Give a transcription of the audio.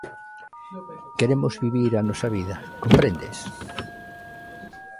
Queremos vivir a nosa vida, comprendes?